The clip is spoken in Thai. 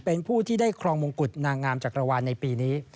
เป็นผู้ที่ได้ครองมงกุฎนางงามจักรวาลในปีนี้